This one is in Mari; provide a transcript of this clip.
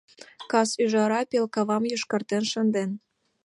Кас ӱжара пел кавам йошкартен шынден.